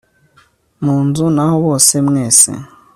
munzu naho bose mwese